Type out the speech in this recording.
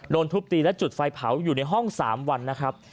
ทุบตีและจุดไฟเผาอยู่ในห้อง๓วันนะครับ